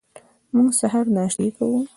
موږ سهار ناشتې کوو.